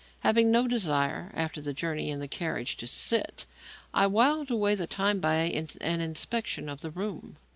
Having no desire, after the journey in the carriage, to sit down, I whiled away the time by an inspection of the room.